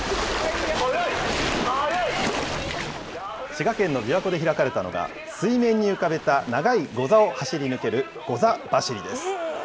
滋賀県のびわ湖で開かれたのが、水面に浮かべた長いゴザを走り抜けるゴザ走りです。